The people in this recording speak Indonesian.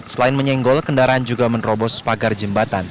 selain menyenggol kendaraan juga menerobos pagar jembatan